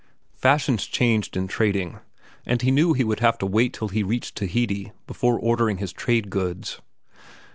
Fashions changed in trading, and he knew he would have to wait till he reached Tahiti before ordering his trade goods.